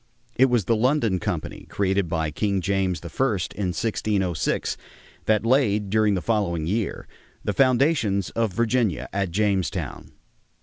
It was the London Company, created by King James I, in 1606, that laid during the following year the foundations of Virginia at Jamestown.